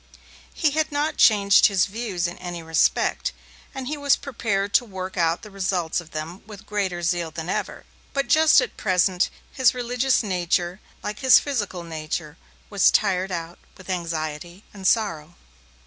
He had not changed his views in any respect, and he was prepared to work out the results of them with greater zeal than ever, but just at present his religious nature, like his physical nature, was tired out with anxiety and sorrow.